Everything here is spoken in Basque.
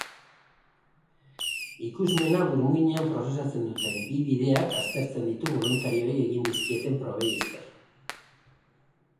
Ikusmena burmuinean prozesatzen duten bi bideak azertzen ditu boluntarioei egiten dizkieten probei esker.